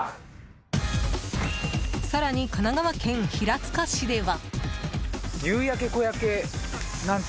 更に、神奈川県平塚市では。